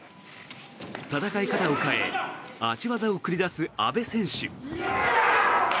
戦い方を変え足技を繰り出す阿部選手。